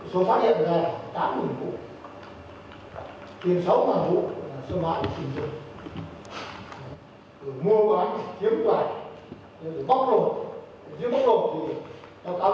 báo cáo ở meio thị trường mông ngo cpd bắt đầu kh tuna